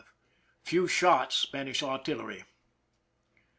Few shots, Spanish artillery.